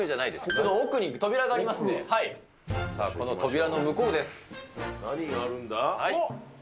そっちの奥に扉がありますんで、さあ、この扉何があるんだ？